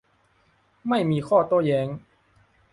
ไม่มีข้อโต้แย้ง